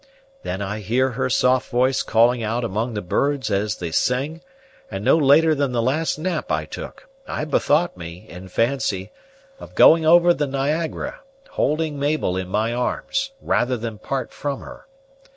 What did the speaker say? Then I hear her soft voice calling out among the birds as they sing; and no later than the last nap I took, I bethought me, in fancy, of going over the Niagara, holding Mabel in my arms, rather than part from her.